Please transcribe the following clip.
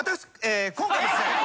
今回ですね。